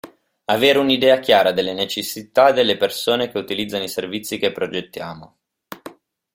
Avere un'idea chiara delle necessità delle persone che utilizzano i servizi che progettiamo.